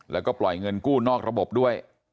แล้วก็ปล่อยเงินกู้นอกระบบด้วย